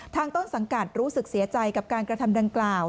ต้นสังกัดรู้สึกเสียใจกับการกระทำดังกล่าว